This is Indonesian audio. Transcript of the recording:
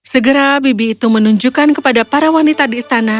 segera bibi itu menunjukkan kepada para wanita di istana